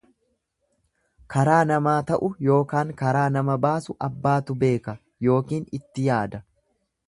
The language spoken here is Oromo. Karaa namaa ta'u yookaan karaa nama baasu abbaatu beeka ykn itti yaada.